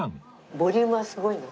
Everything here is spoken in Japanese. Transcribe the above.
ボリュームはすごいの？